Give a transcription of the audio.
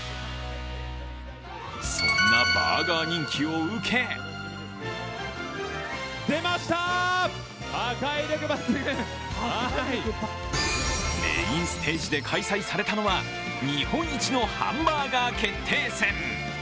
そんなバーガー人気を受けメインステージで開催されたのは日本一のハンバーガー決定戦。